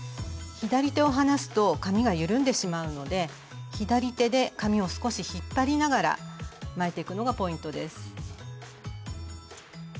左手を離すと紙が緩んでしまうので左手で紙を少し引っ張りながら巻いていくのがポイントです。